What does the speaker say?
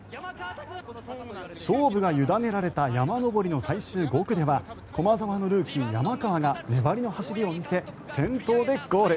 勝負が委ねられた山登りの最終５区では駒澤のルーキー、山川が粘りの走りを見せ先頭でゴール。